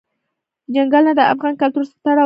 چنګلونه د افغان کلتور سره تړاو لري.